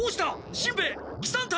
しんべヱ喜三太！